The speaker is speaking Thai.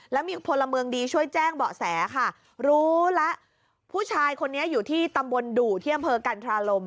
แล้วมีพลเมืองดีช่วยแจ้งเบาะแสค่ะรู้แล้วผู้ชายคนนี้อยู่ที่ตำบลดุที่อำเภอกันทราลม